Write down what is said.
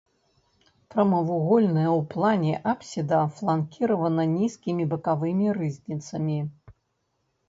Прамавугольная ў плане апсіда фланкіравана нізкімі бакавымі рызніцамі.